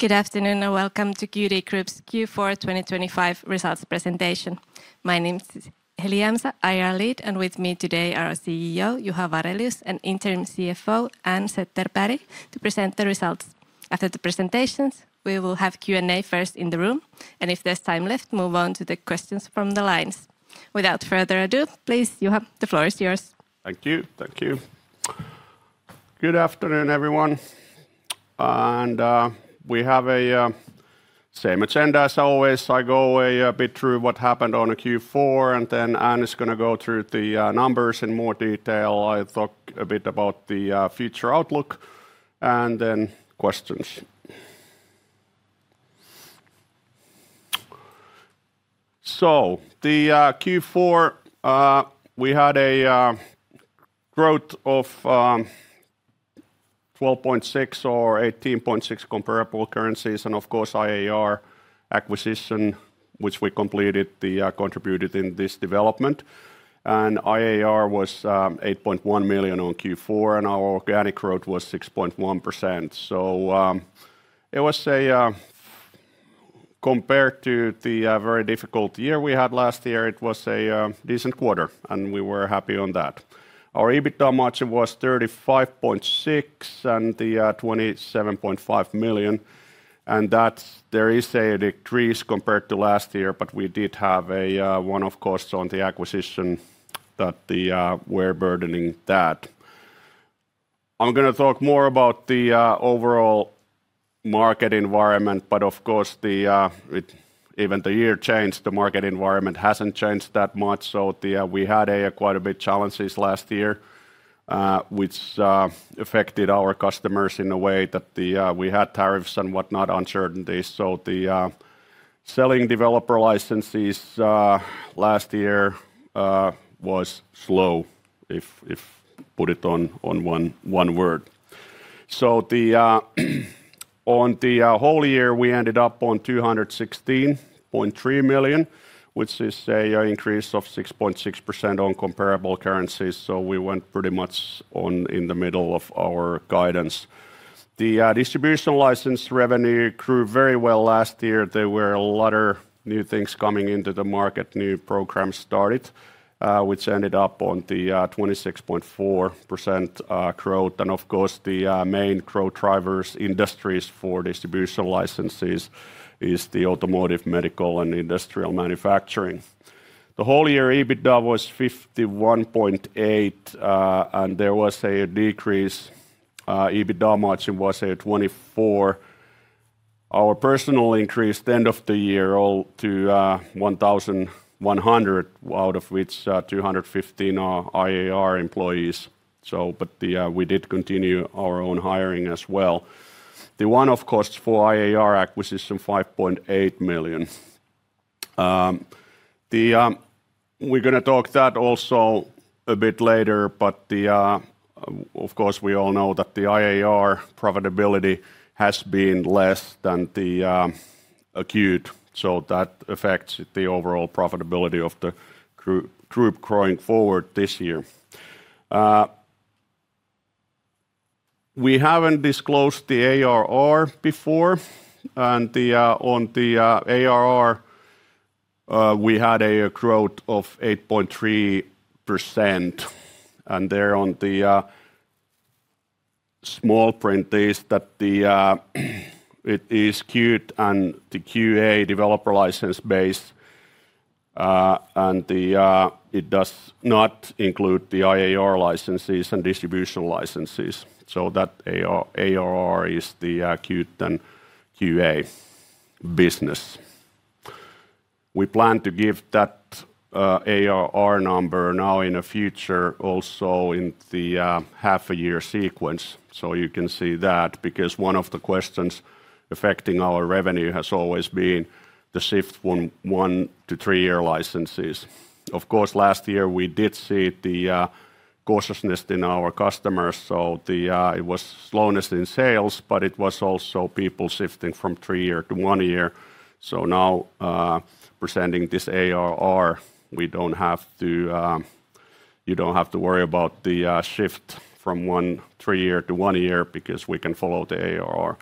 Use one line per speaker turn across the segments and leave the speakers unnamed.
Good afternoon, welcome to Qt Group's Q4 2025 results presentation. My name is Heli Jämsä, IR Lead, and with me today are our CEO, Juha Varelius, and Interim CFO, Ann Zetterberg, to present the results. After the presentations, we will have Q&A first in the room, and if there's time left, move on to the questions from the lines. Without further ado, please, Juha, the floor is yours.
Thank you. Thank you. Good afternoon, everyone. We have a same agenda as always. I go a bit through what happened on the Q4, and then Ann is gonna go through the numbers in more detail. I'll talk a bit about the future outlook, and then questions. The Q4 we had a growth of 12.6% or 18.6% comparable currencies, and of course, IAR acquisition, which we completed, contributed in this development. IAR was 8.1 million on Q4, and our organic growth was 6.1%. Compared to the very difficult year we had last year, it was a decent quarter, and we were happy on that. Our EBITDA margin was 35.6% and 27.5 million, and that's there is a decrease compared to last year, but we did have one-off costs on the acquisition that we're burdening that. I'm gonna talk more about the overall market environment, but of course, even the year changed, the market environment hasn't changed that much. We had quite a bit challenges last year, which affected our customers in a way that we had tariffs and whatnot, uncertainties. Selling developer licenses last year was slow, if put it on one word. On the whole year, we ended up on 216.3 million, which is a increase of 6.6% on comparable currencies, we went pretty much on in the middle of our guidance. Distribution license revenue grew very well last year. There were a lot of new things coming into the market, new programs started, which ended up on the 26.4% growth. Of course, the main growth drivers industries for distribution licenses is the automotive, medical, and industrial manufacturing. The whole year, EBITDA was 51.8 million, and there was a decrease. EBITDA margin was 24%. Our personal increased end of the year all to 1,100, out of which 215 are IAR employees. But the, we did continue our own hiring as well. The one-off costs for IAR acquisition, 5.8 million. The, we're gonna talk that also a bit later, but the, of course, we all know that the IAR profitability has been less than the acute, so that affects the overall profitability of the group growing forward this year. We haven't disclosed the ARR before, on the ARR, we had a growth of 8.3%. There on the small print is that it is Qt and the QA developer license base, and it does not include the IAR licenses and distribution licenses. That ARR is the Qt and QA business. We plan to give that ARR number now in the future, also in the half a year sequence. You can see that because one of the questions affecting our revenue has always been the shift from one to three-year licenses. Of course, last year, we did see the cautiousness in our customers, it was slowness in sales, it was also people shifting from three year to one year. Now, presenting this ARR, we don't have to, you don't have to worry about the shift from one, three year to one year because we can follow the ARR.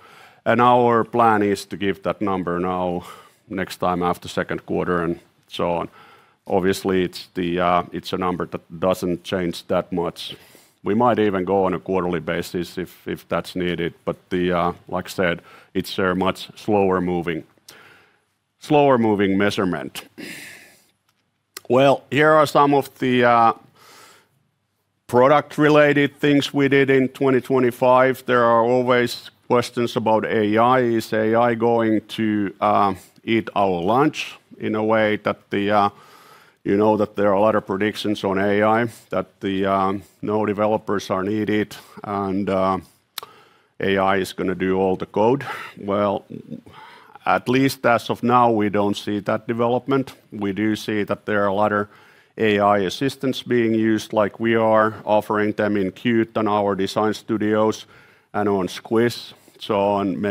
Our plan is to give that number now next time after second quarter and so on. Obviously, it's the, it's a number that doesn't change that much. We might even go on a quarterly basis if that's needed, but the, like I said, it's a much slower moving measurement. Well, here are some of the product-related things we did in 2025. There are always questions about AI. Is AI going to eat our lunch in a way that the, you know, that there are a lot of predictions on AI, that the, no developers are needed, and AI is gonna do all the code? Well, at least as of now, we don't see that development. We do see that there are a lot of AI assistants being used, like we are offering them in Qt and our design studios and on Squish. On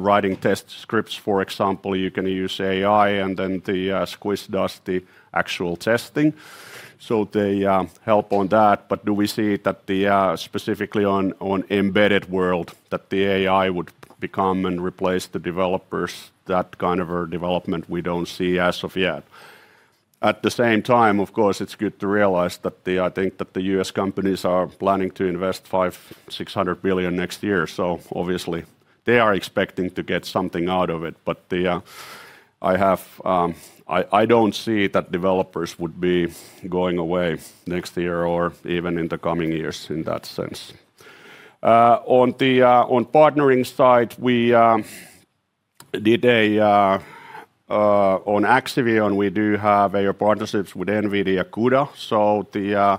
writing test scripts, for example, you can use AI, and then the Squish does the actual testing. They help on that. Do we see that specifically on embedded world, that the AI would become and replace the developers? That kind of a development we don't see as of yet. At the same time, of course, it's good to realize that the, I think that the U.S. companies are planning to invest 500 billion-600 billion next year. Obviously, they are expecting to get something out of it. The, I have, I don't see that developers would be going away next year or even in the coming years in that sense. On the on partnering side, we did on Axivion, we do have a partnerships with NVIDIA CUDA. The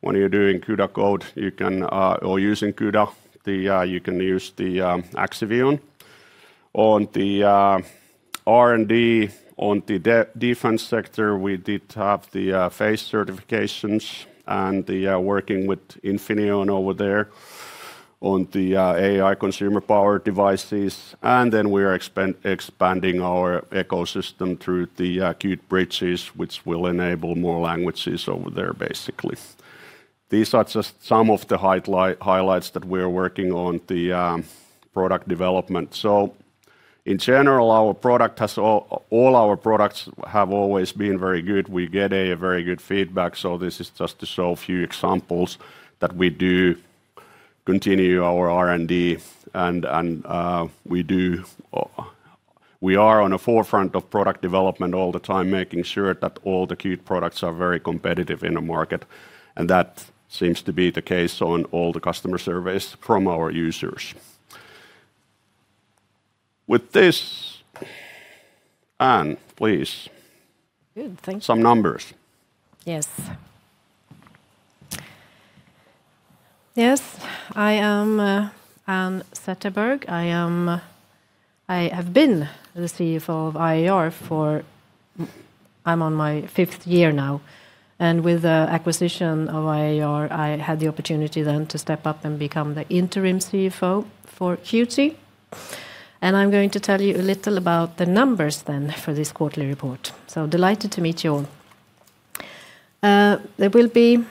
when you're doing CUDA code, you can or using CUDA, the you can use the Axivion. On the R&D, on the defense sector, we did have the FACE certifications and the working with Infineon over there on the AI consumer power devices. We are expanding our ecosystem through the Qt Bridges, which will enable more languages over there, basically. These are just some of the highlights that we're working on the product development. In general, all our products have always been very good. We get a very good feedback, this is just to show a few examples that we do continue our R&D, and we do, we are on the forefront of product development all the time, making sure that all the Qt products are very competitive in the market, and that seems to be the case on all the customer surveys from our users. Uh, with this, Ann, please-
Good. Thank you.
Some numbers.
Yes. Yes, I am, Ann Zetterberg. I am. I have been the CFO of IAR for, I'm on my fifth year now. With the acquisition of IAR, I had the opportunity then to step up and become the interim CFO for Qt. I'm going to tell you a little about the numbers then for this quarterly report. Delighted to meet you all. There will be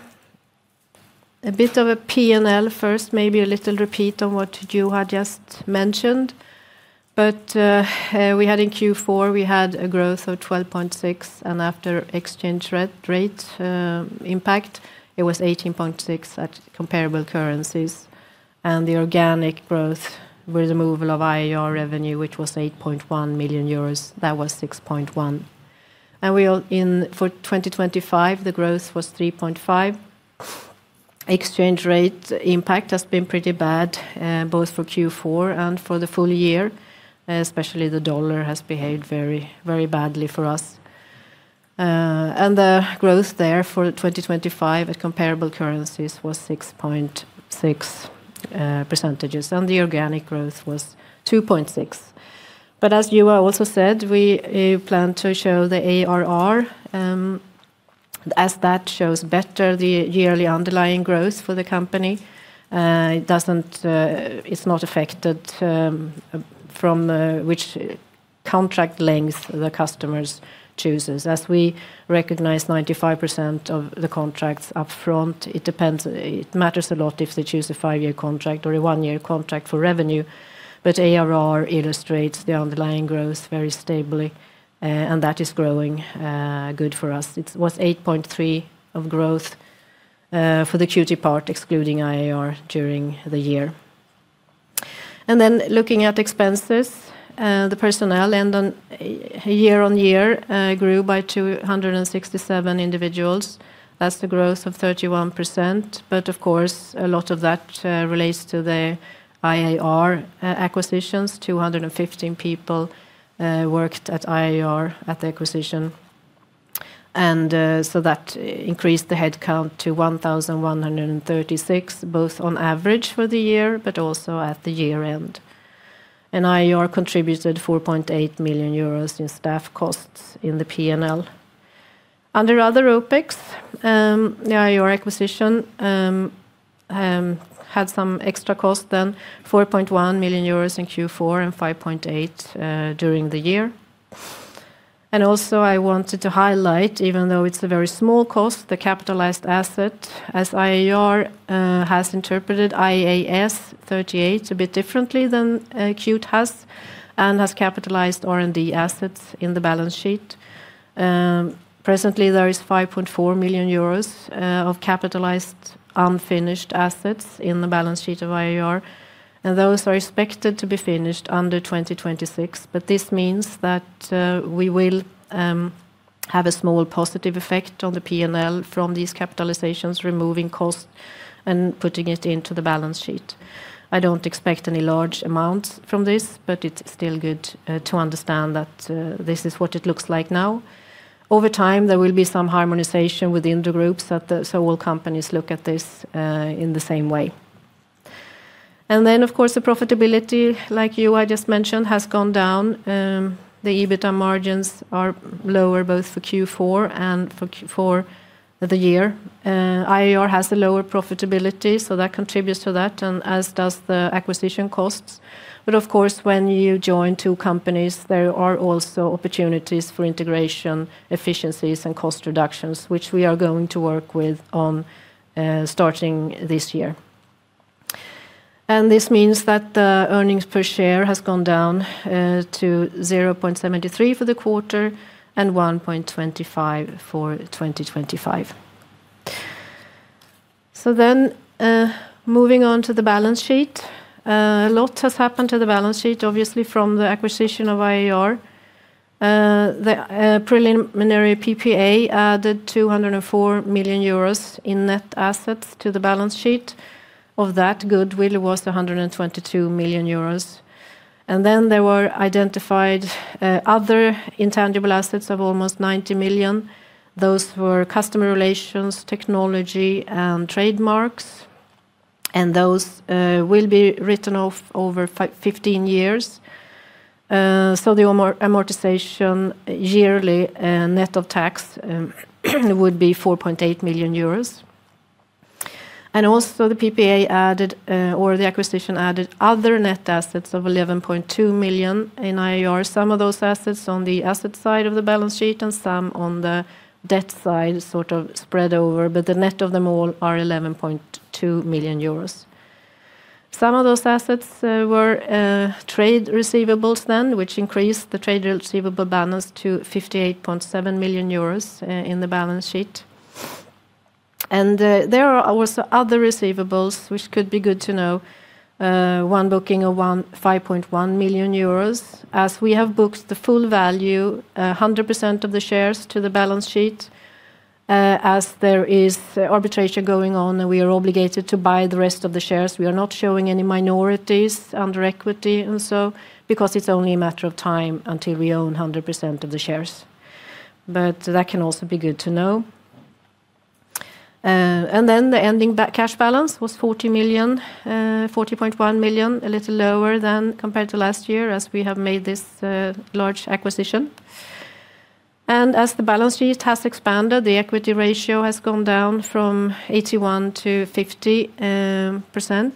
a bit of a P&L first, maybe a little repeat on what Juha just mentioned. We had in Q4, we had a growth of 12.6%, and after exchange rate impact, it was 18.6% at comparable currencies, and the organic growth with removal of IAR revenue, which was 8.1 million euros, that was 6.1%. We all in, for 2025, the growth was 3.5%. Exchange rate impact has been pretty bad, both for Q4 and for the full year, especially the dollar has behaved very, very badly for us. The growth there for 2025 at comparable currencies was 6.6%, and the organic growth was 2.6%. As Juha also said, we plan to show the ARR, as that shows better the yearly underlying growth for the company. It doesn't, it's not affected from which contract length the customers chooses. As we recognize 95% of the contracts upfront, it depends, it matters a lot if they choose a five-year contract or a one-year contract for revenue, but ARR illustrates the underlying growth very stably, and that is growing good for us. It was 8.3% of growth for the Qt part, excluding IAR, during the year. Looking at expenses, the personnel and on year-on-year grew by 267 individuals. That's the growth of 31%, but of course, a lot of that relates to the IAR acquisitions. 215 people worked at IAR at the acquisition, so that increased the headcount to 1,136, both on average for the year, but also at the year-end. IAR contributed 4.8 million euros in staff costs in the P&L. Under other OPEX, the IAR acquisition had some extra cost than 4.1 million euros in Q4 and 5.8 million during the year. Also, I wanted to highlight, even though it's a very small cost, the capitalized asset, as IAR has interpreted IAS 38 a bit differently than Qt has, and has capitalized R&D assets in the balance sheet. Presently, there is 5.4 million euros of capitalized unfinished assets in the balance sheet of IAR, and those are expected to be finished under 2026. This means that we will have a small positive effect on the P&L from these capitalizations, removing cost and putting it into the balance sheet. I don't expect any large amounts from this, but it's still good to understand that this is what it looks like now. Over time, there will be some harmonization within the groups so all companies look at this in the same way. Of course, the profitability, like Juha just mentioned, has gone down. The EBITDA margins are lower, both for Q4 and for the year. IAR has a lower profitability, so that contributes to that, and as does the acquisition costs. Of course, when you join two companies, there are also opportunities for integration, efficiencies, and cost reductions, which we are going to work with on starting this year. This means that the earnings per share has gone down to 0.73 for the quarter and 1.25 for 2025. Moving on to the balance sheet. A lot has happened to the balance sheet, obviously, from the acquisition of IAR. The preliminary PPA added 204 million euros in net assets to the balance sheet. Of that, goodwill was 122 million euros. There were identified other intangible assets of almost 90 million. Those were customer relations, technology, and trademarks, and those will be written off over 15 years. So the amortization yearly and net of tax, would be 4.8 million euros. Also the PPA added, or the acquisition added other net assets of 11.2 million in IAR. Some of those assets on the asset side of the balance sheet and some on the debt side, sort of spread over, but the net of them all are 11.2 million euros. Some of those assets were trade receivables then, which increased the trade receivable balance to 58.7 million euros in the balance sheet. There are also other receivables, which could be good to know. One booking of 5.1 million euros. We have booked the full value, 100% of the shares to the balance sheet, as there is arbitration going on, and we are obligated to buy the rest of the shares, we are not showing any minorities under equity. It's only a matter of time until we own 100% of the shares. That can also be good to know. The ending cash balance was 40 million, 40.1 million, a little lower than compared to last year, as we have made this large acquisition. As the balance sheet has expanded, the equity ratio has gone down from 81% to 50%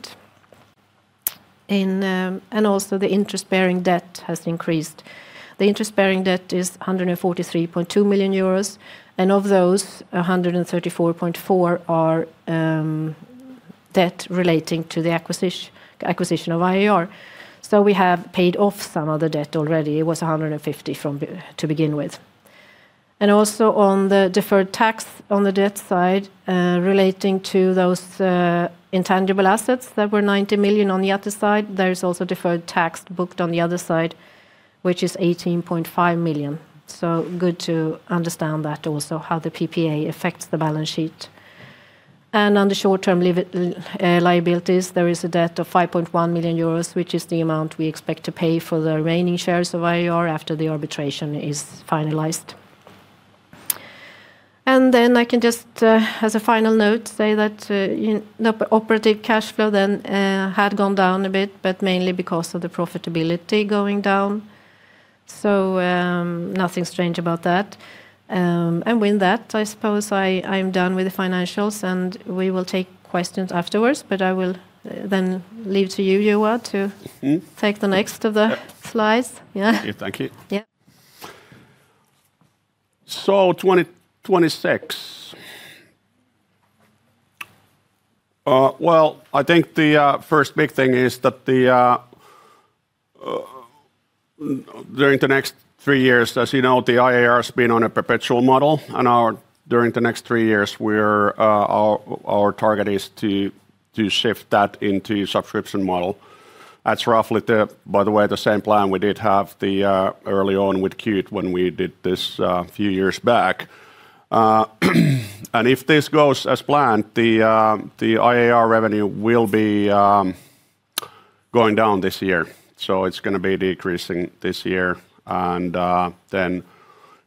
in, also the interest-bearing debt has increased. The interest-bearing debt is 143.2 million euros, and of those, 134.4 million are debt relating to the acquisition of IAR. We have paid off some of the debt already. It was 150 million to begin with. Also on the deferred tax, on the debt side, relating to those intangible assets that were 90 million on the other side, there is also deferred tax booked on the other side, which is 18.5 million. Good to understand that also, how the PPA affects the balance sheet. On the short-term liabilities, there is a debt of 5.1 million euros, which is the amount we expect to pay for the remaining shares of IAR after the arbitration is finalized. I can just, as a final note, say that the operative cash flow had gone down a bit, but mainly because of the profitability going down, so nothing strange about that. With that, I suppose I'm done with the financials, and we will take questions afterwards, but I will then leave to you, Juha.
Mm-hmm
take the next of the slides. Yeah.
Thank you. Thank you.
Yeah.
2026. Well, I think the first big thing is that during the next three years, as you know, IAR has been on a perpetual model, during the next three years, we're our target is to shift that into subscription model. That's roughly the, by the way, the same plan we did have early on with Qt when we did this few years back. If this goes as planned, IAR revenue will be going down this year, it's gonna be decreasing this year.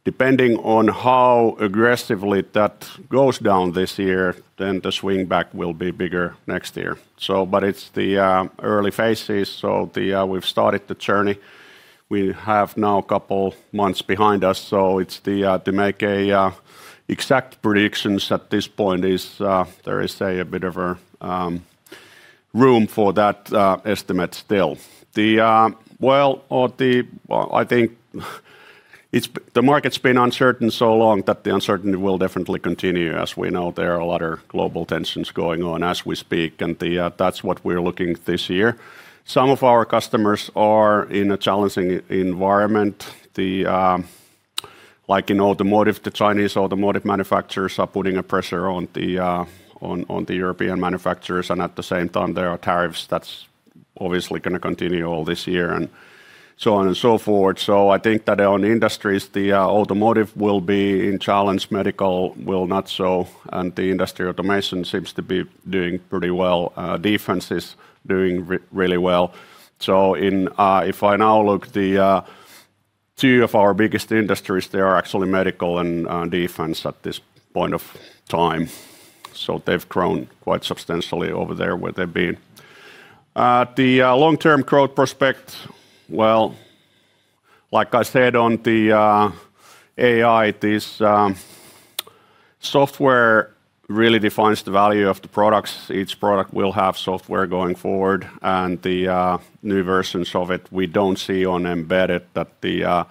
Depending on how aggressively that goes down this year, the swing back will be bigger next year. It's the early phases, we've started the journey. We have now two months behind us. It's the to make exact predictions at this point is there is a bit of a room for that estimate still. The well, or the well, I think it's the market's been uncertain so long that the uncertainty will definitely continue. As we know, there are a lot of global tensions going on as we speak. That's what we're looking this year. Some of our customers are in a challenging environment. The like in automotive, the Chinese automotive manufacturers are putting a pressure on the European manufacturers. At the same time, there are tariffs that's obviously gonna continue all this year, and so on and so forth. I think that on industries, the automotive will be in challenge, medical will not so, and the industrial automation seems to be doing pretty well. Defense is doing really well. In if I now look the two of our biggest industries, they are actually medical and defense at this point of time. They've grown quite substantially over there, where they've been. The long-term growth prospect, well, like I said, on the AI, this software really defines the value of the products. Each product will have software going forward, and the new versions of it, we don't see on embedded, but the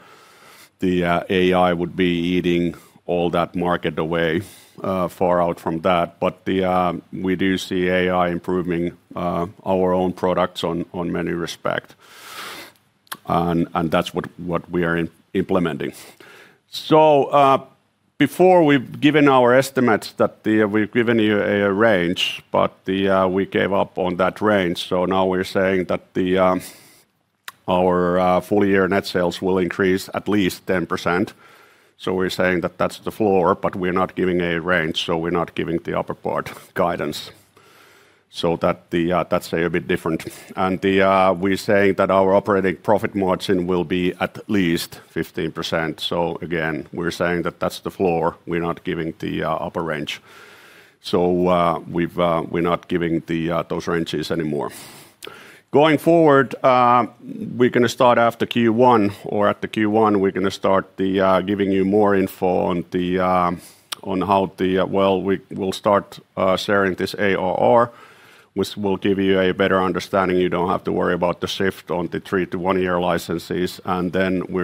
AI would be eating all that market away, far out from that. The we do see AI improving our own products on many respect. That's what we are implementing. Before we've given our estimates that we've given you a range, but we gave up on that range. Now we're saying that our full year net sales will increase at least 10%. We're saying that that's the floor, but we're not giving a range, so we're not giving the upper part guidance. That's a bit different. We're saying that our operating profit margin will be at least 15%. Again, we're saying that that's the floor, we're not giving the upper range. We've, we're not giving those ranges anymore. Going forward, we're going to start after Q1 or at the Q1, we're going to start giving you more info on how the. We'll start sharing this ARR, which will give you a better understanding. You don't have to worry about the shift on the three-to-one-year licenses. We're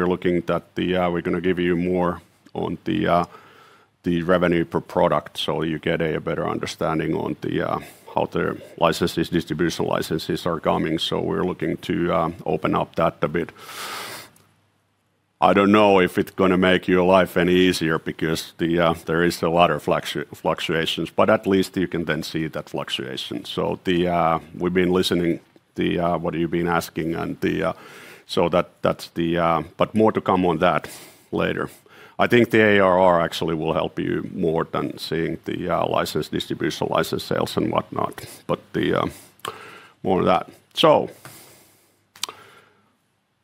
going to give you more on the revenue per product, so you get a better understanding on how the licenses, distribution licenses are coming. We're looking to open up that a bit. I don't know if it's going to make your life any easier because there is a lot of fluctuations, but at least you can then see that fluctuation. The we've been listening the what you've been asking and the so that's the. More to come on that later. I think the ARR actually will help you more than seeing the license distribution, license sales, and whatnot. The more of that.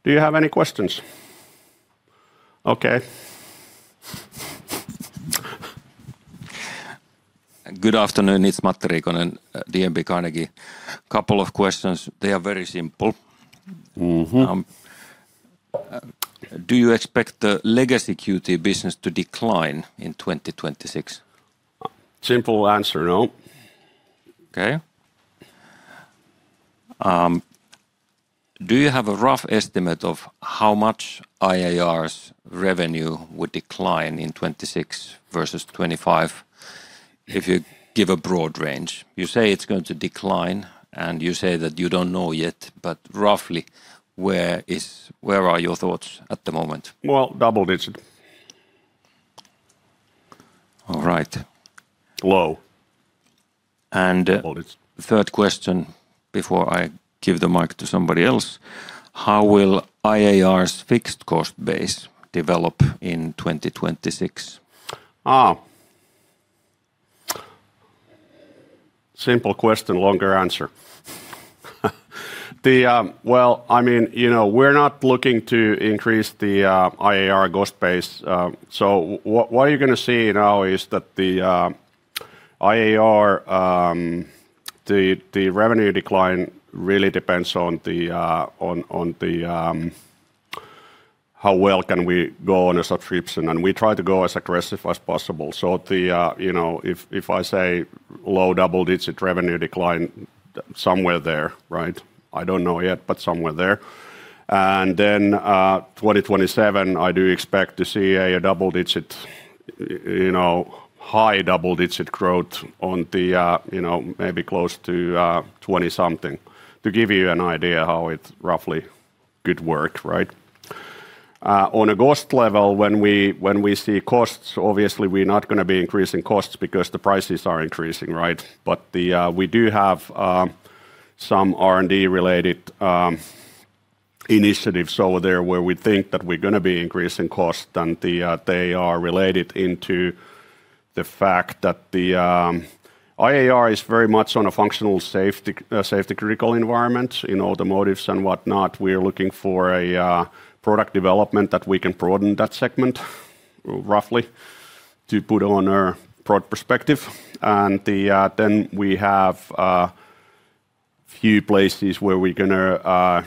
Do you have any questions? Okay.
Good afternoon. It's Matti Riikonen, DNB Carnegie. Couple of questions. They are very simple.
Mm-hmm.
Do you expect the legacy Qt business to decline in 2026?
Simple answer, no.
Okay. Do you have a rough estimate of how much IAR's revenue would decline in 2026 versus 2025, if you give a broad range? You say it's going to decline, and you say that you don't know yet, but roughly, where are your thoughts at the moment?
Well, double digit.
All right.
Low.
And-
Double digit...
third question before I give the mic to somebody else: How will IAR's fixed cost base develop in 2026?
Simple question, longer answer. Well, I mean, you know, we're not looking to increase the IAR cost base. What you're going to see now is that the IAR, the revenue decline really depends on the on the how well can we go on a subscription, and we try to go as aggressive as possible. You know, if I say low double-digit revenue decline, somewhere there, right? I don't know yet, but somewhere there. 2027, I do expect to see a double-digit, you know, high double-digit growth on the you know, maybe close to 20 something, to give you an idea how it roughly could work, right? on a cost level, when we, when we see costs, obviously, we're not going to be increasing costs because the prices are increasing, right? But we do have some R&D-related initiatives over there, where we think that we're going to be increasing cost, and they are related into the fact that IAR is very much on a functional safety-critical environment. In automotives and whatnot, we are looking for a product development that we can broaden that segment, roughly, to put on a broad perspective. Then we have a few places where we're going to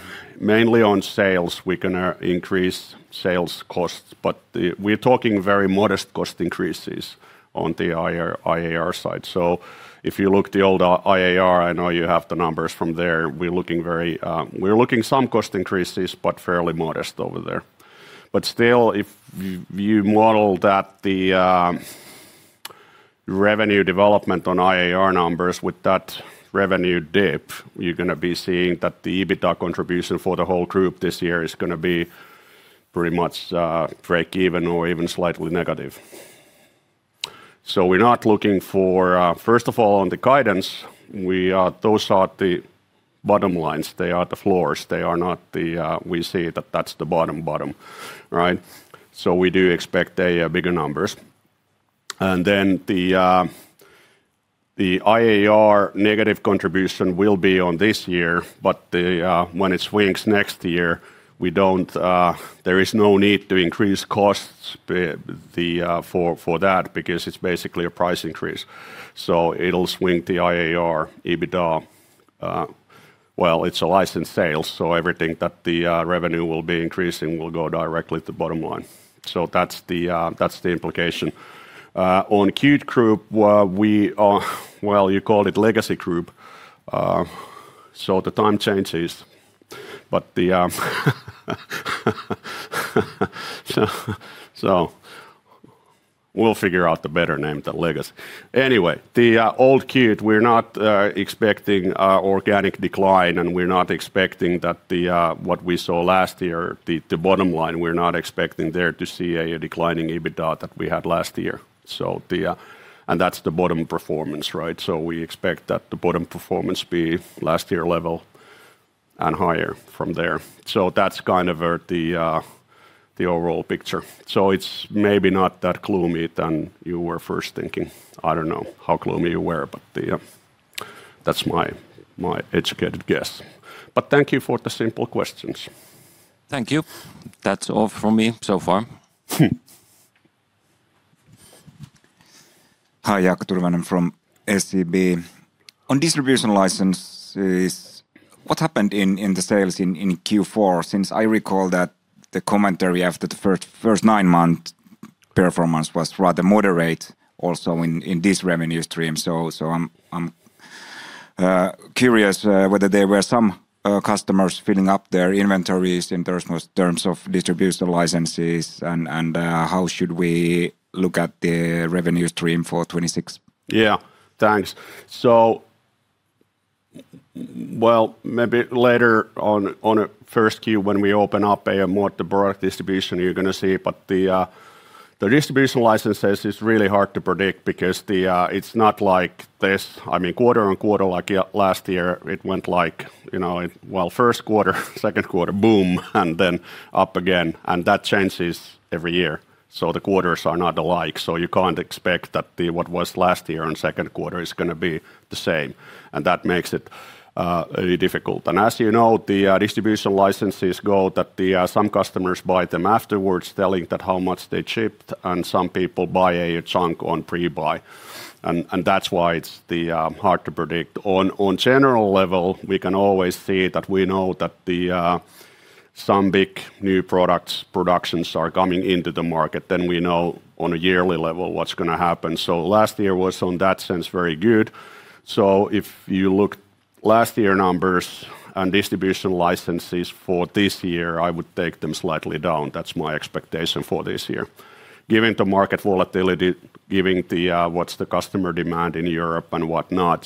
mainly on sales, we're going to increase sales costs, but we're talking very modest cost increases on the IAR side. If you look the old IAR, I know you have the numbers from there, we're looking very. We're looking some cost increases, but fairly modest over there. Still, if you model that, the revenue development on IAR numbers with that revenue dip, you're going to be seeing that the EBITDA contribution for the whole group this year is going to be pretty much break even or even slightly negative. First of all, on the guidance, we those are the bottom lines. They are the floors. They are not the, we say that that's the bottom, right? We do expect a bigger numbers. The IAR negative contribution will be on this year, but when it swings next year, we don't there is no need to increase costs for that because it's basically a price increase. It'll swing the IAR EBITDA. Well, it's a licensed sale, so everything that the revenue will be increasing will go directly to the bottom line. That's the that's the implication. On Qt Group. Well, you call it legacy group. The time changes. So we'll figure out the better name than Legos. Anyway, the old Qt, we're not expecting organic decline, and we're not expecting that what we saw last year, the bottom line, we're not expecting there to see a declining EBITDA that we had last year. That's the bottom performance, right? We expect that the bottom performance be last year level and higher from there. That's kind of the overall picture. It's maybe not that gloomy than you were first thinking. I don't know how gloomy you were, but that's my educated guess. Thank you for the simple questions.
Thank you. That's all from me so far.
Hi, Jaakko Tyrväinen from SEB. On distribution licenses, what happened in the sales in Q4? Since I recall that the commentary after the first nine-month performance was rather moderate also in this revenue stream. I'm curious whether there were some customers filling up their inventories in terms of distribution licenses and how should we look at the revenue stream for 2026?
Thanks. Well, maybe later on a first Q, when we open up more the product distribution, you're going to see. The distribution licenses is really hard to predict because the. It's not like this. I mean, quarter-on-quarter, like last year, it went like, you know, well, first quarter, second quarter, boom, and then up again. That changes every year. The quarters are not alike, so you can't expect that what was last year on second quarter is going to be the same, and that makes it really difficult. As you know, distribution licenses go that some customers buy them afterwards, telling that how much they shipped, and some people buy a chunk on pre-buy. That's why it's hard to predict. On general level, we can always see that we know that some big new products, productions are coming into the market, then we know on a yearly level what's going to happen. Last year was, on that sense, very good. If you look last year numbers and distribution licenses for this year, I would take them slightly down. That's my expectation for this year. Given the market volatility, given the what's the customer demand in Europe and whatnot,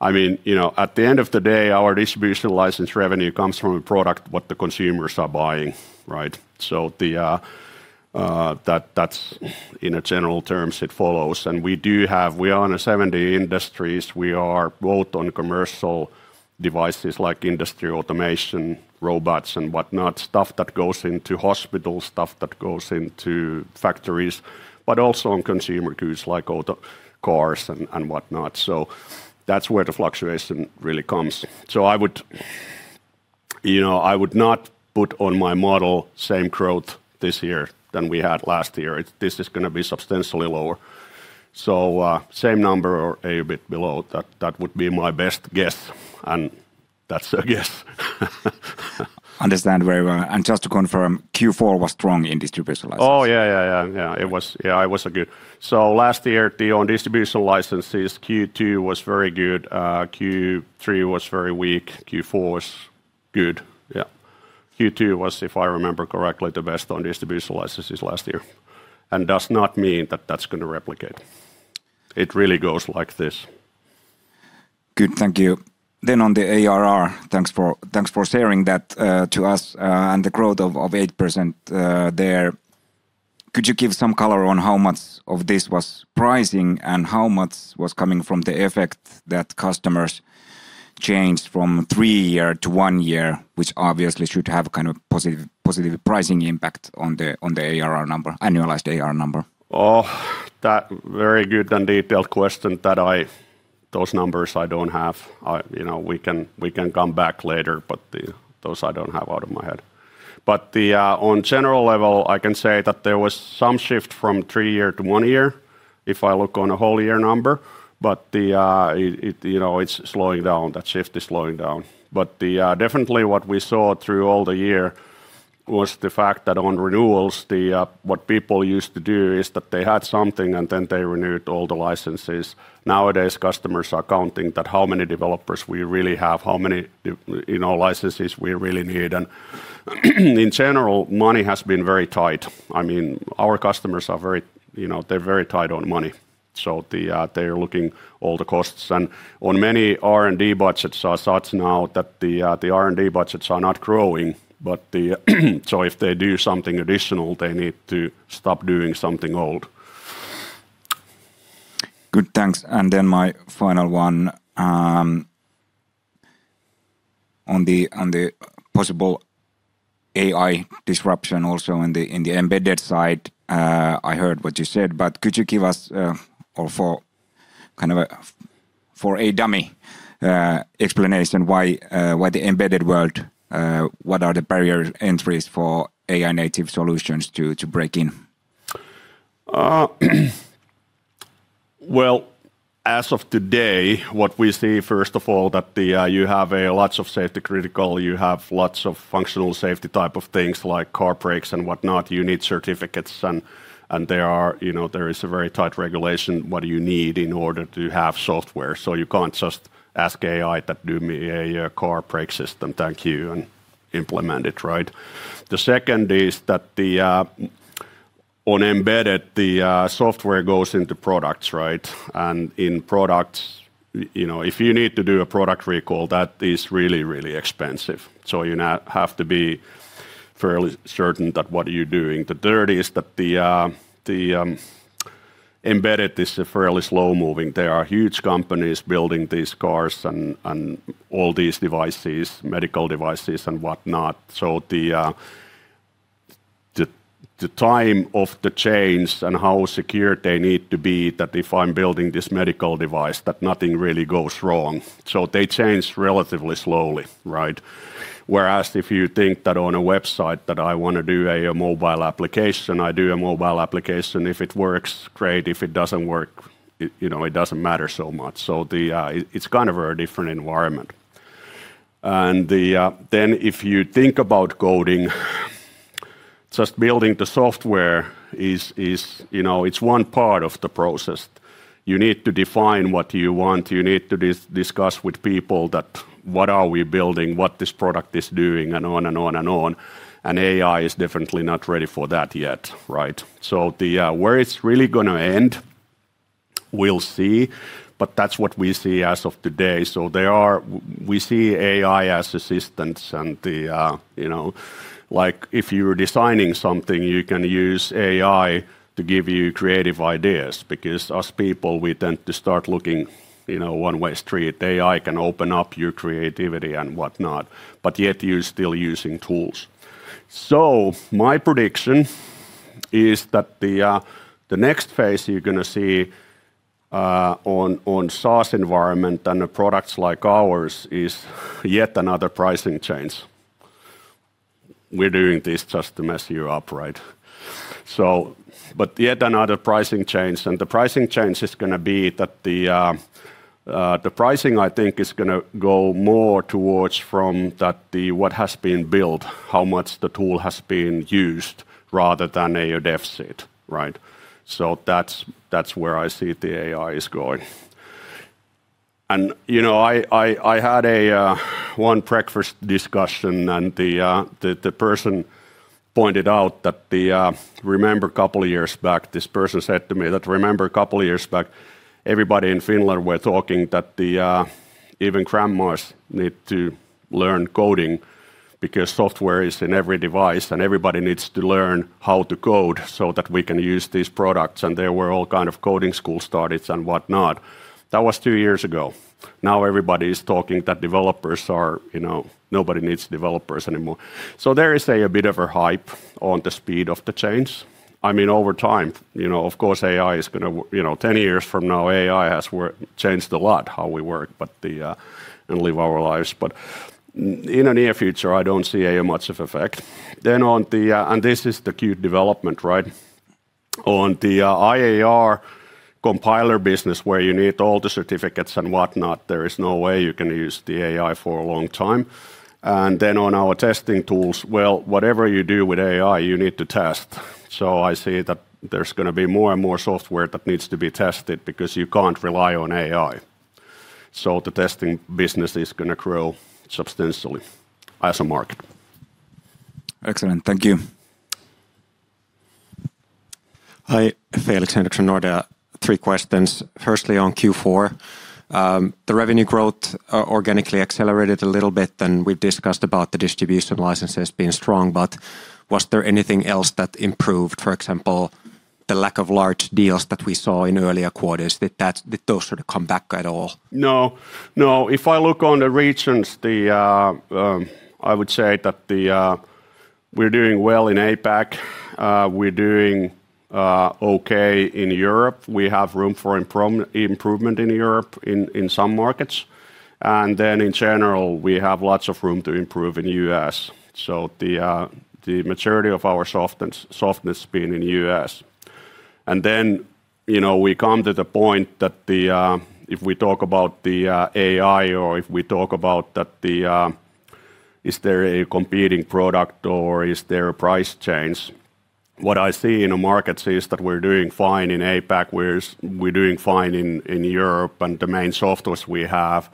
I mean, you know, at the end of the day, our distribution license revenue comes from a product what the consumers are buying, right? That, that's, in a general terms, it follows. We do have. We are in 70 industries. We are both on commercial devices like industry automation, robots, and whatnot, stuff that goes into hospitals, stuff that goes into factories, but also on consumer goods like auto, cars and whatnot. That's where the fluctuation really comes. I would, you know, I would not put on my model same growth this year than we had last year. This is going to be substantially lower. Same number or a bit below that would be my best guess, and that's a guess.
Understand very well. Just to confirm, Q4 was strong in distribution license.
Yeah. Yeah, it was, yeah, it was a good. Last year, the on-distribution licenses, Q2 was very good, Q3 was very weak, Q4 was good, yeah. Q2 was, if I remember correctly, the best on distribution licenses last year. Does not mean that that's going to replicate. It really goes like this.
Good. Thank you. On the ARR, thanks for sharing that to us and the growth of 8% there. Could you give some color on how much of this was pricing and how much was coming from the effect that customers changed from three-year to one-year, which obviously should have kind of positive pricing impact on the ARR number, annualized ARR number?
Oh, that very good and detailed question that Those numbers I don't have. I, you know, we can, we can come back later, but those I don't have out of my head. On general level, I can say that there was some shift from three-year to one-year, if I look on a whole year number. It, you know, it's slowing down. That shift is slowing down. Definitely what we saw through all the year was the fact that on renewals, what people used to do is that they had something, and then they renewed all the licenses. Nowadays, customers are counting that how many developers we really have, how many, you know, licenses we really need. In general, money has been very tight. I mean, our customers are very, you know, they're very tight on money, so the, they're looking all the costs. On many R&D budgets are such now that the R&D budgets are not growing. If they do something additional, they need to stop doing something old.
Good. Thanks. My final one, on the possible AI disruption also in the embedded side, I heard what you said, but could you give us or for a dummy explanation, why the embedded world, what are the barrier entries for AI-native solutions to break in?
Well, as of today, what we see, first of all, that the, you have a lots of safety critical, you have lots of functional safety type of things, like car brakes and whatnot. You need certificates, and there are, you know, there is a very tight regulation, what do you need in order to have software? You can't just ask AI that, "Do me a car brake system. Thank you." Implement it, right? The second is that the, on embedded, the, software goes into products, right? In products, you know, if you need to do a product recall, that is really, really expensive. You now have to be fairly certain that what are you doing. The third is that the, embedded is fairly slow-moving. There are huge companies building these cars and all these devices, medical devices, and whatnot. The time of the change and how secure they need to be, that if I'm building this medical device, that nothing really goes wrong. They change relatively slowly, right? Whereas if you think that on a website that I wanna do a mobile application, I do a mobile application. If it works, great. If it doesn't work, it, you know, it doesn't matter so much. It's kind of a different environment. Then if you think about coding, just building the software is, you know, it's one part of the process. You need to define what you want. You need to discuss with people that what are we building, what this product is doing, and on, and on, and on. AI is definitely not ready for that yet, right? The where it's really gonna end, we'll see, but that's what we see as of today. We see AI as assistants and you know. Like, if you're designing something, you can use AI to give you creative ideas. Because us people, we tend to start looking, you know, one-way street. AI can open up your creativity and whatnot, but yet you're still using tools. My prediction is that the next phase you're gonna see on SaaS environment and the products like ours is yet another pricing change. We're doing this just to mess you up, right? Yet another pricing change, the pricing change is gonna be that the pricing, I think, is gonna go more towards from that the, what has been built, how much the tool has been used, rather than a deficit, right. That's where I see the AI is going. You know, I had a one breakfast discussion, and the person pointed out that. Remember a couple years back, this person said to me that, "Remember a couple years back, everybody in Finland were talking that the even grandmas need to learn coding because software is in every device, and everybody needs to learn how to code so that we can use these products." There were all kind of coding school started and whatnot. That was two years ago. Now, everybody is talking that developers are, you know, nobody needs developers anymore. There is a bit of a hype on the speed of the change. I mean, over time, you know, of course, AI is gonna you know, 10 years from now, AI has changed a lot how we work, but the and live our lives. In the near future, I don't see a much of effect. This is the Qt development, right? On the IAR compiler business, where you need all the certificates and whatnot, there is no way you can use the AI for a long time. On our testing tools, well, whatever you do with AI, you need to test. I see that there's gonna be more and more software that needs to be tested because you can't rely on AI. The testing business is gonna grow substantially as a market.
Excellent. Thank you.
Hi, Felix Henriksson, Nordea. Three questions. Firstly, on Q4, the revenue growth, organically accelerated a little bit, we discussed about the distribution licenses being strong. Was there anything else that improved, for example, the lack of large deals that we saw in earlier quarters? Did those sort of come back at all?
No, no. If I look on the regions, I would say that we're doing well in APAC. We're doing okay in Europe. We have room for improvement in Europe, in some markets. In general, we have lots of room to improve in U.S. The maturity of our softness being in U.S. You know, we come to the point that if we talk about AI or if we talk about that is there a competing product or is there a price change? What I see in the markets is that we're doing fine in APAC, whereas we're doing fine in Europe, and the main softwares we have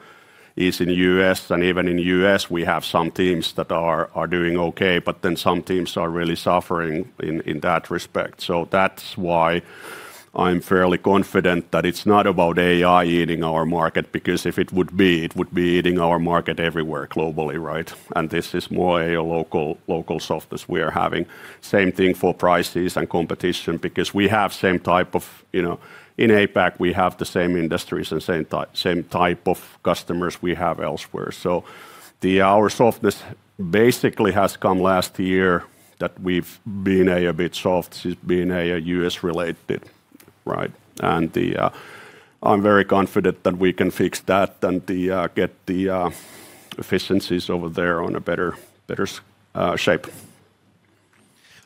is in the U.S. Even in the U.S., we have some teams that are doing okay, but then some teams are really suffering in that respect. That's why I'm fairly confident that it's not about AI eating our market, because if it would be, it would be eating our market everywhere, globally, right? This is more a local softness we are having. Same thing for prices and competition because we have same type of... You know, in APAC, we have the same industries and same type of customers we have elsewhere. Our softness basically has come last year, that we've been a bit soft, is being a U.S.-related, right? I'm very confident that we can fix that and get the efficiencies over there on a better shape.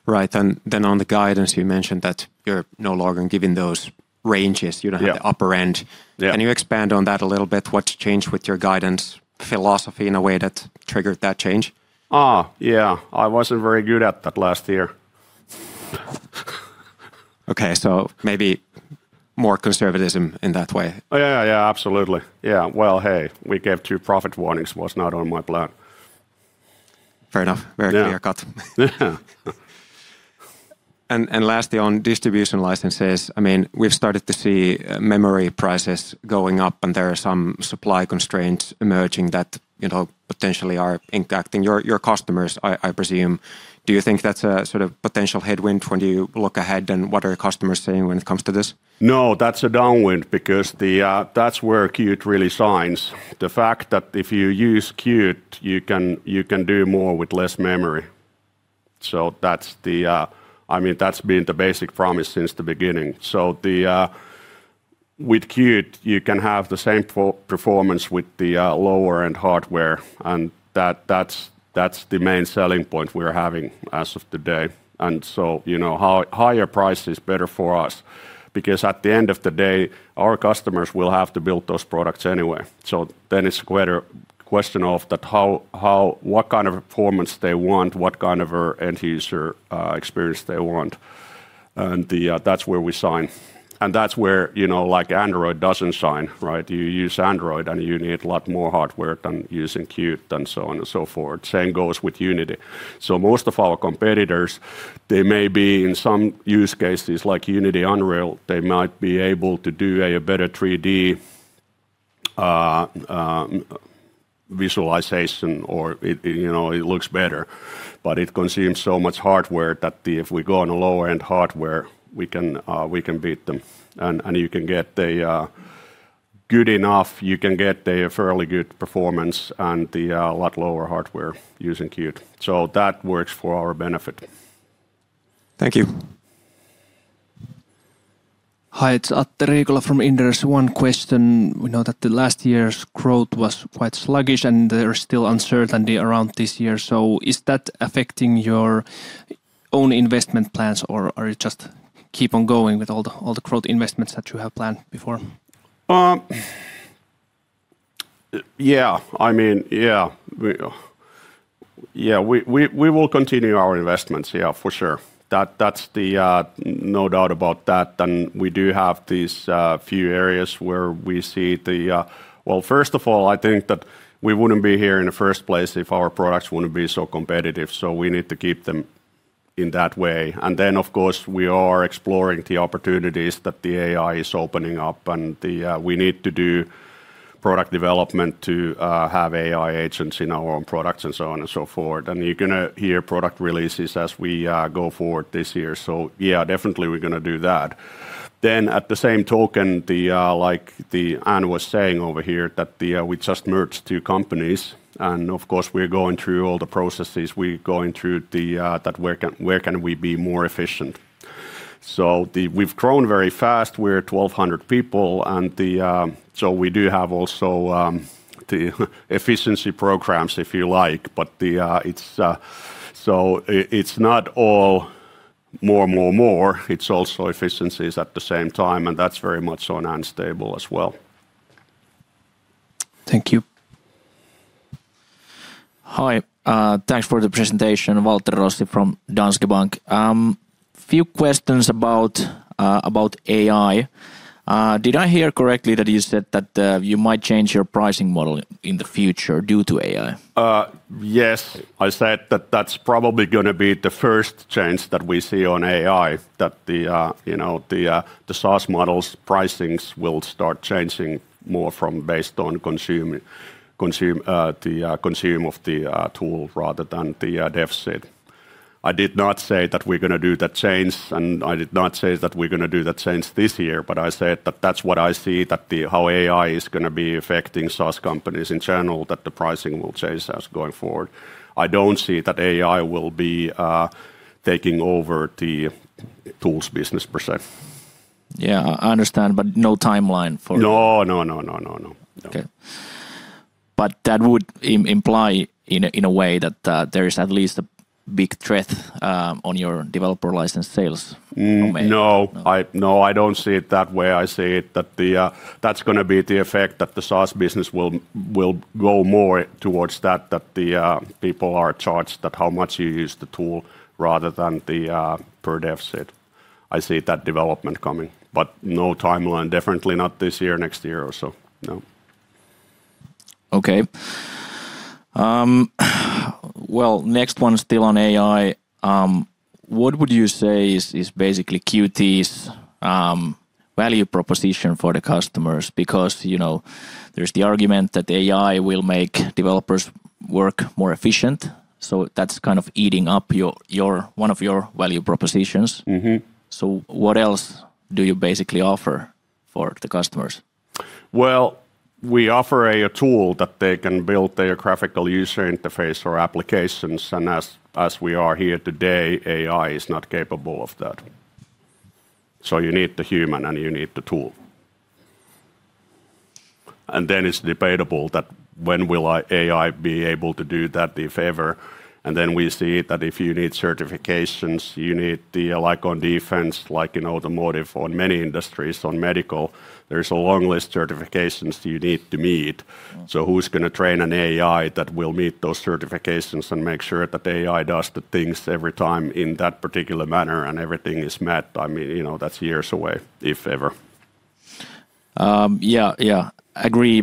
Right. On the guidance, you mentioned that you're no longer giving those ranges...
Yeah...
you know, the upper end.
Yeah.
Can you expand on that a little bit? What's changed with your guidance philosophy in a way that triggered that change?
Yeah. I wasn't very good at that last year.
Okay, so maybe more conservatism in that way?
Oh, yeah, absolutely. Yeah. Well, hey, we gave two profit warnings. Was not on my plan.
Fair enough.
Yeah.
Very clear cut.
Yeah.
Lastly, on distribution licenses, I mean, we've started to see memory prices going up, and there are some supply constraints emerging that, you know, potentially are impacting your customers, I presume. Do you think that's a sort of potential headwind when you look ahead, and what are your customers saying when it comes to this?
No, that's a downwind because that's where Qt really shines. The fact that if you use Qt, you can do more with less memory. That's the, I mean, that's been the basic promise since the beginning. The, with Qt, you can have the same performance with the lower-end hardware, and that's the main selling point we're having as of today. You know, higher price is better for us because at the end of the day, our customers will have to build those products anyway. It's greater question of that how what kind of performance they want, what kind of a end user experience they want, and the that's where we shine. That's where, you know, like Android doesn't shine, right? You use Android, and you need a lot more hardware than using Qt and so on and so forth. Same goes with Unity. Most of our competitors, they may be, in some use cases, like Unity, Unreal, they might be able to do a better 3D visualization or it, you know, it looks better, but it consumes so much hardware that if we go on a low-end hardware, we can beat them, and you can get a good enough, you can get a fairly good performance and the a lot lower hardware using Qt. That works for our benefit.
Thank you.
Hi, it's Atte Riikola from Inderes. One question: we know that the last year's growth was quite sluggish, and there is still uncertainty around this year. Is that affecting your own investment plans, or you just keep on going with all the growth investments that you have planned before?
Yeah. I mean, yeah. We will continue our investments, yeah, for sure. That's the no doubt about that. We do have these few areas where we see the... Well, first of all, I think that we wouldn't be here in the first place if our products wouldn't be so competitive, so we need to keep them in that way. Then, of course, we are exploring the opportunities that the AI is opening up. We need to do product development to have AI agents in our own products and so on and so forth. You're gonna hear product releases as we go forward this year. Yeah, definitely we're gonna do that. At the same token, like Ann was saying over here, that we just merged two companies, and of course, we're going through all the processes. We're going through that where can we be more efficient? We've grown very fast. We're 1,200 people, and we do have also the efficiency programs, if you like, but it's so it's not all more, more, more. It's also efficiencies at the same time, and that's very much on Ann's table as well.
Thank you.
Hi, thanks for the presentation. Waltteri Rossi from Danske Bank. Few questions about AI. Did I hear correctly that you said that, you might change your pricing model in the future due to AI?
Yes. I said that that's probably gonna be the first change that we see on AI, that the, you know, the source models' pricings will start changing more from based on consume, the, consume of the tool rather than the per-seat. I did not say that we're gonna do that change, and I did not say that we're gonna do that change this year, but I said that that's what I see, that the, how AI is gonna be affecting source companies in general, that the pricing will change as going forward. I don't see that AI will be taking over the tools business per se.
Yeah, I understand, but no timeline.
No. No, no, no.
Okay. That would imply in a, in a way that there is at least a big threat on your developer license sales domain.
No, I don't see it that way. I see it that the that's gonna be the effect, that the source business will go more towards that the people are charged at how much you use the tool rather than the per-seat. I see that development coming, but no timeline. Definitely not this year, next year or so, no.
Okay. Well, next one is still on AI. What would you say is basically Qt's value proposition for the customers? You know, there's the argument that AI will make developers work more efficient, so that's kind of eating up your one of your value propositions.
Mm-hmm.
What else do you basically offer for the customers?
We offer a tool that they can build their graphical user interface or applications, as we are here today, AI is not capable of that. You need the human, and you need the tool. It's debatable that when will a AI be able to do that, the favor? We see that if you need certifications, you need like on defense, like in automotive, on many industries, on medical, there's a long list certifications you need to meet.
Mm.
Who's gonna train an AI that will meet those certifications and make sure that the AI does the things every time in that particular manner, and everything is met? I mean, you know, that's years away, if ever....
Yeah, agree.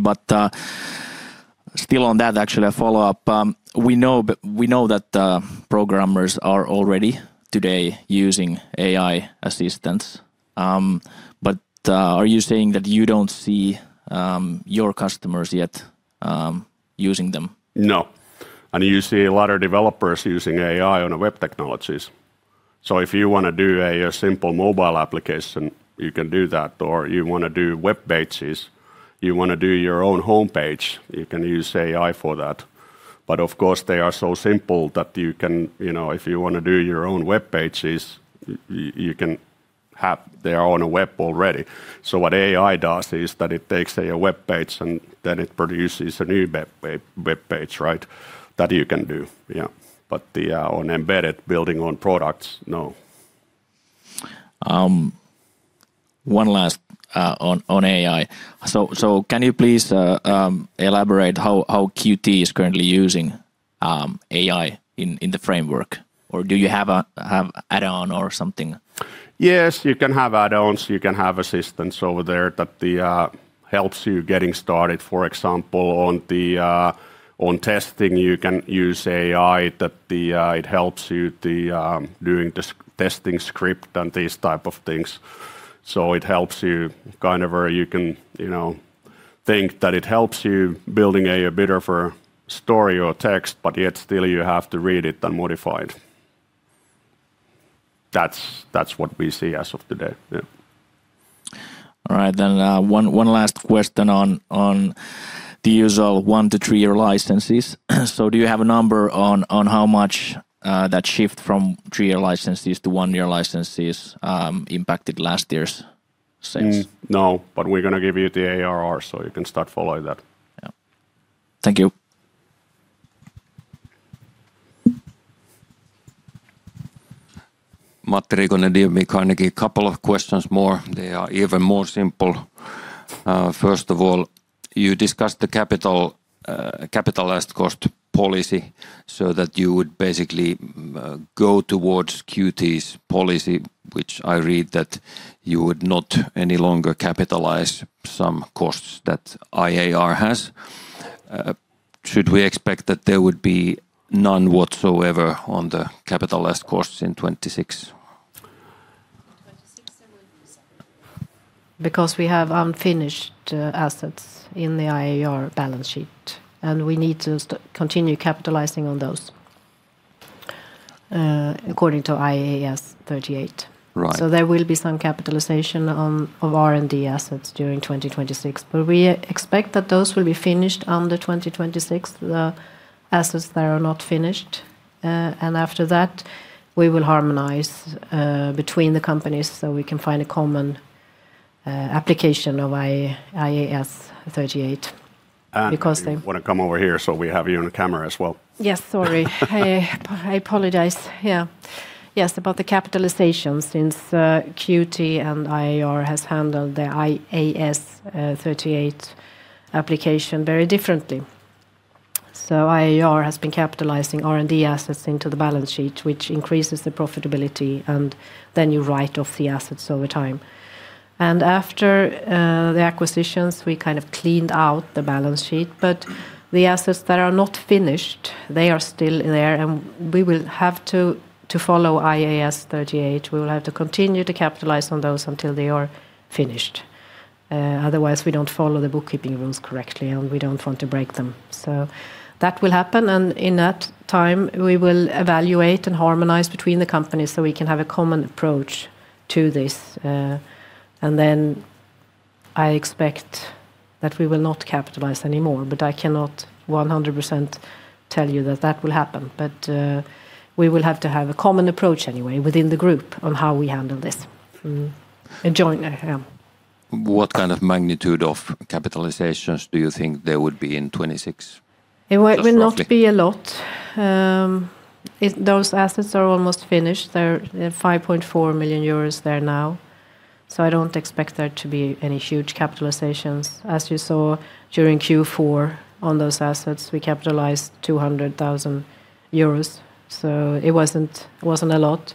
Still on that, actually, a follow-up. We know that programmers are already today using AI assistants, but are you saying that you don't see your customers yet using them?
No. You see a lot of developers using AI on the web technologies. If you wanna do a simple mobile application, you can do that, or you wanna do web pages, you wanna do your own homepage, you can use AI for that. Of course, they are so simple that you can, you know, if you wanna do your own web pages, they are on the web already. What AI does is that it takes a web page, and then it produces a new web page, right? That you can do, yeah. The on embedded building on products, no.
One last, on AI. Can you please elaborate how Qt is currently using AI in the framework? Or do you have an add-on or something?
Yes, you can have add-ons, you can have assistants over there that helps you getting started. For example, on testing, you can use AI that it helps you doing the testing script and these type of things. It helps you kind of, you can, you know, think that it helps you building a better for story or text, but yet still you have to read it and modify it. That's what we see as of today. Yeah.
All right, one last question on the usual one to three-year licenses. Do you have a number on how much that shift from three-year licenses to one-year licenses impacted last year's sales?
No, we're gonna give you the ARR, so you can start follow that.
Yeah. Thank you.
Matti Riikonen, DNB Carnegie. A couple of questions more. They are even more simple. First of all, you discussed the capital, capitalized cost policy so that you would basically, go towards Qt's policy, which I read that you would not any longer capitalize some costs that IAR has. Should we expect that there would be none whatsoever on the capitalized costs in 2026?
2026, there will be some, because we have unfinished assets in the IAR balance sheet, and we need to continue capitalizing on those, according to IAS 38.
Right.
There will be some capitalization of R&D assets during 2026, but we expect that those will be finished on the 2026, the assets that are not finished. After that, we will harmonize between the companies, so we can find a common application of IAS 38.
Ann, you wanna come over here, so we have you on camera as well.
Yes, sorry. I apologize. Yes, about the capitalization, since Qt and IAR has handled the IAS 38 application very differently. IAR has been capitalizing R&D assets into the balance sheet, which increases the profitability, and then you write off the assets over time. After the acquisitions, we kind of cleaned out the balance sheet, but the assets that are not finished, they are still there, and we will have to follow IAS 38. We will have to continue to capitalize on those until they are finished. Otherwise, we don't follow the bookkeeping rules correctly, and we don't want to break them. That will happen, and in that time, we will evaluate and harmonize between the companies, so we can have a common approach to this. I expect that we will not capitalize anymore, but I cannot 100% tell you that that will happen. We will have to have a common approach anyway within the group on how we handle this. join there.
What kind of magnitude of capitalizations do you think there would be in 2026?
It will-
Just roughly.
not be a lot. Those assets are almost finished. They're 5.4 million euros there now. I don't expect there to be any huge capitalizations. As you saw during Q4 on those assets, we capitalized 200,000 euros. It wasn't a lot.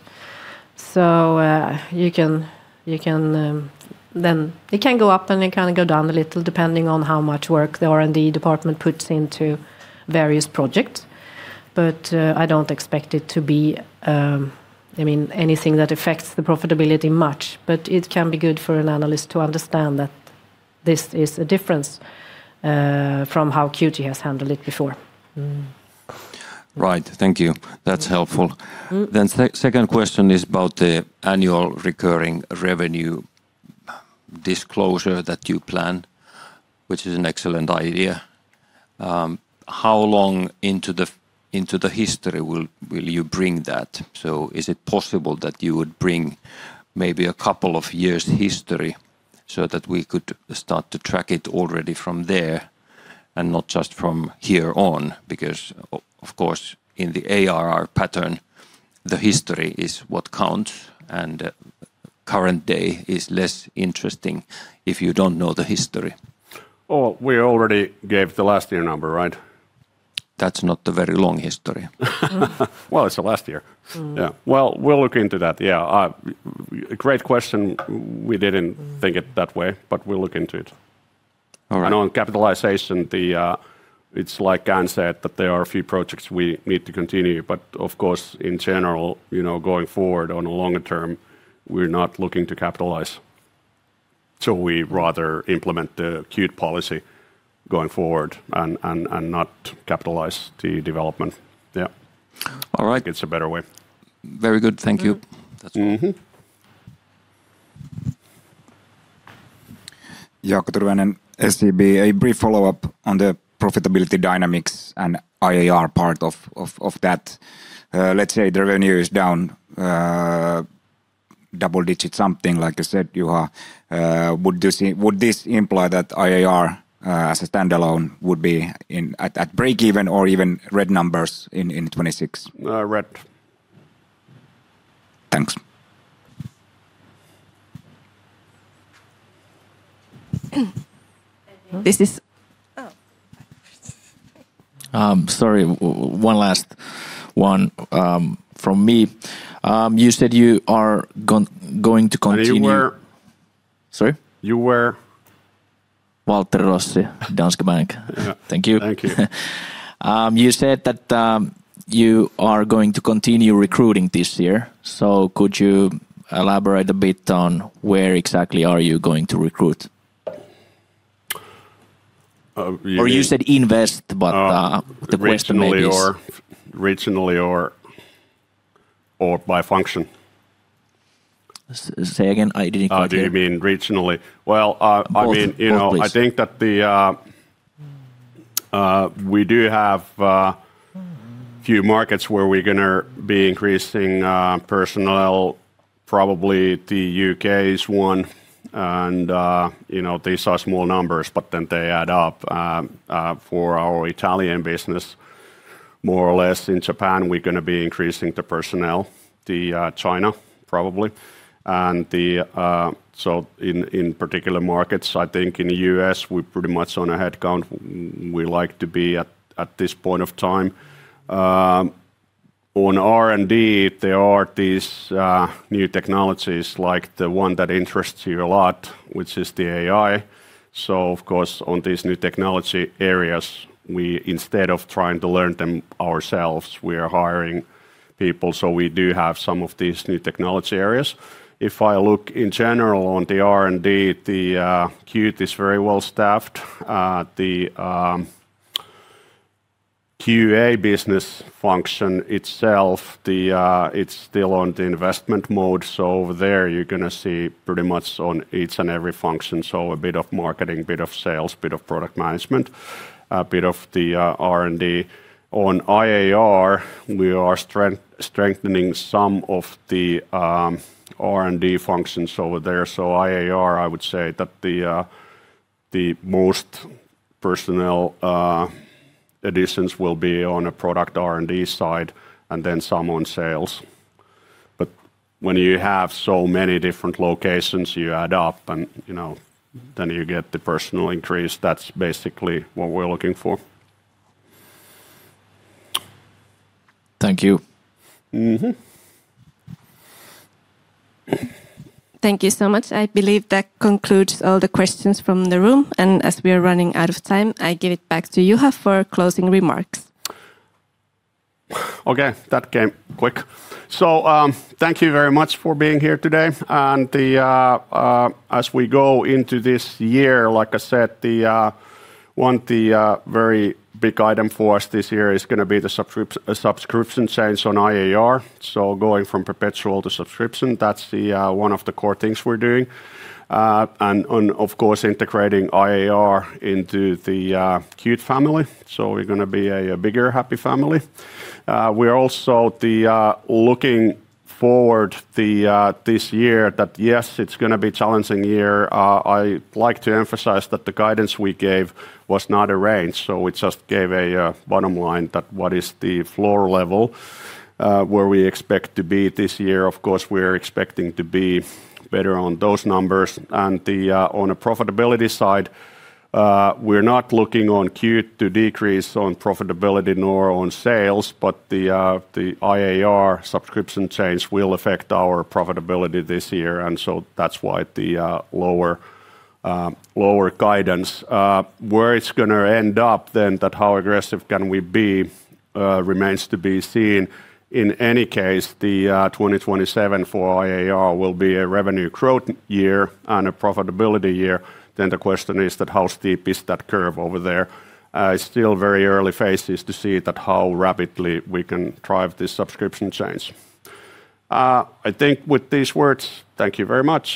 You can, then it can go up, and it can go down a little, depending on how much work the R&D department puts into various projects. I don't expect it to be, I mean, anything that affects the profitability much. It can be good for an analyst to understand that this is a difference from how Qt has handled it before.
Right. Thank you.
Mm.
That's helpful.
Mm-hmm.
Second question is about the annual recurring revenue disclosure that you plan, which is an excellent idea. How long into the history will you bring that? Is it possible that you would bring maybe a couple of years' history so that we could start to track it already from there, and not just from here on? Of course, in the ARR pattern, the history is what counts, and current day is less interesting if you don't know the history.
Oh, we already gave the last year number, right?
That's not a very long history.
Well, it's the last year.
Mm-hmm.
Yeah. Well, we'll look into that. Yeah, great question.
Mm
think it that way, but we'll look into it.
All right.
On capitalization, the, it's like Ann said, that there are a few projects we need to continue, of course, in general, you know, going forward on a longer term, we're not looking to capitalize. We rather implement the Qt policy going forward and not capitalize the development. Yeah.
All right.
It's a better way.
Very good. Thank you.
Mm-hmm.
A brief follow-up on the profitability dynamics and IAR part of that. Let's say the revenue is down double digit something like you said, Juha. Would this imply that IAR as a standalone would be in at breakeven or even red numbers in 2026?
Red.
Thanks.
This is... Oh.
sorry, one last one from me. You said you are going to continue-
You were-
Sorry?
You were-
Waltteri Rossi, Danske Bank.
Yeah.
Thank you.
Thank you.
You said that you are going to continue recruiting this year. Could you elaborate a bit on where exactly are you going to recruit?
Uh, you-
You said invest, but.
Uh
The question may be yes....
regionally or by function?
Say again, I didn't quite hear.
Do you mean regionally? Well, I mean.
Both. Both, please
you know, I think that the we do have few markets where we're gonna be increasing personnel. Probably the U.K. is one, and you know, these are small numbers, but then they add up. For our Italian business, more or less in Japan, we're gonna be increasing the personnel, the China, probably, and the. In particular markets, I think in the U.S., we're pretty much on a headcount we like to be at this point of time. On R&D, there are these new technologies, like the one that interests you a lot, which is the AI. Of course, on these new technology areas, we, instead of trying to learn them ourselves, we are hiring people, so we do have some of these new technology areas. If I look in general on the R&D, the Qt is very well staffed. The QA business function itself, it's still on the investment mode, so there you're gonna see pretty much on each and every function, so a bit of marketing, bit of sales, bit of product management, a bit of the R&D. On IAR, we are strengthening some of the R&D functions over there. IAR, I would say that the most personnel additions will be on a product R&D side, and then some on sales. When you have so many different locations, you add up and, you know, then you get the personal increase. That's basically what we're looking for.
Thank you.
Mm-hmm.
Thank you so much. I believe that concludes all the questions from the room. As we are running out of time, I give it back to Juha for closing remarks.
Okay, that came quick. Thank you very much for being here today, and as we go into this year, like I said, one very big item for us this year is going to be the subscription change on IAR Systems, so going from perpetual to subscription, that's one of the core things we're doing. And of course, integrating IAR Systems into the Qt family, so we're going to be a bigger, happy family. We're also looking forward this year that, yes, it's going to be challenging year. I like to emphasize that the guidance we gave was not a range, so we just gave a bottom line that what is the floor level where we expect to be this year. Of course, we're expecting to be better on those numbers. On a profitability side, we're not looking on Qt to decrease on profitability nor on sales. The IAR subscription change will affect our profitability this year. That's why the lower guidance. Where it's gonna end up, how aggressive can we be, remains to be seen. In any case, the 2027 for IAR will be a revenue growth year and a profitability year. The question is that how steep is that curve over there? It's still very early phases to see that how rapidly we can drive this subscription change. I think with these words, thank you very much.